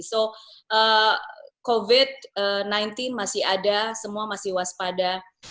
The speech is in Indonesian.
jadi covid sembilan belas masih ada semua masih waspada